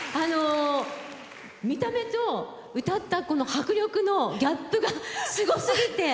見た目と歌った迫力のギャップがすごすぎて。